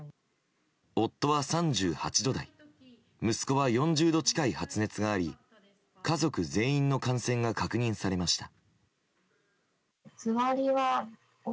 夫は３８度台息子は４０度近い発熱があり家族全員の感染が確認されました。